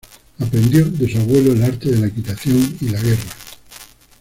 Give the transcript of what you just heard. Aprendió de su abuelo el arte de la equitación y la guerra.